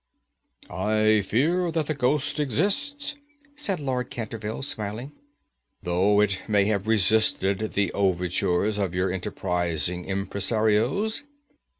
"I fear that the ghost exists," said Lord Canterville, smiling, "though it may have resisted the overtures of your enterprising impresarios.